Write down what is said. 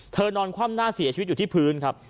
นอนคว่ำหน้าเสียชีวิตอยู่ที่พื้นครับ